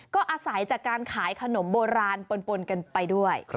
ก็อาศัยจากการขายขนมโบราณปนกันไปด้วย